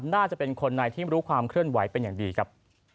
น่าจะเป็นคนในที่รู้ความเคลื่อนไหวเป็นอย่างดีครับ